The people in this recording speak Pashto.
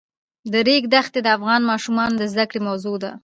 د ریګ دښتې د افغان ماشومانو د زده کړې موضوع ده.